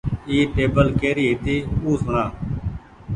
اي ٽيبل ڪري هيتي او سوڻا۔